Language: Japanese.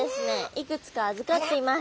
いくつか預かっています。